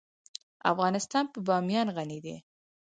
افغانستان په بامیان غني دی.